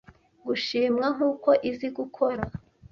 gushimwa nkuko izi gukora